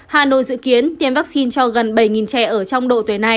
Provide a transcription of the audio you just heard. hà nội dự kiến tiêm vaccine cho gần bảy trẻ ở trong độ tuổi này